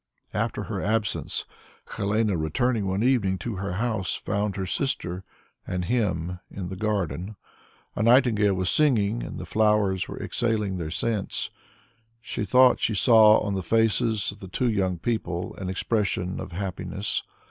After her absence, Helene, returning one evening to her house, found her sister and him in the garden. A nightingale was singing, and the flowers were exhaling their scents. She thought she saw on the faces of the two young people an expression of happiness.